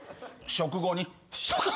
食後に！？